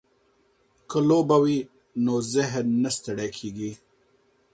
که لوبه وي نو ذهن نه ستړی کیږي.